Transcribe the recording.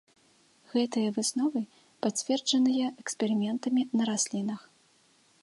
Гэтыя высновы пацверджаныя эксперыментамі на раслінах.